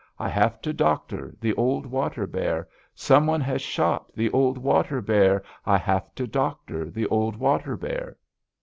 I have to doctor the old water bear! Some one has shot the old water bear! I have to doctor the old water bear!'